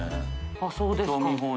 あっそうですか。